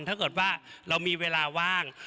ถ้าเกิดว่าเรามีเวลาว่าง